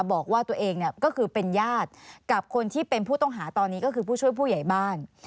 บอกว่าตัวเองเนี่ยก็คือเป็นญาติกับคนที่เป็นผู้ต้องหาตอนนี้ก็คือผู้ช่วยผู้ใหญ่บ้าน